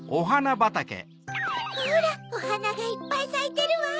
ほらおはながいっぱいさいてるわ！